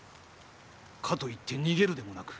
かといって逃げるでもなく。